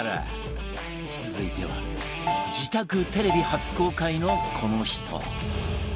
続いては自宅テレビ初公開のこの人